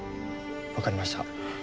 分かりました。